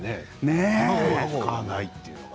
卵を使わないというのが。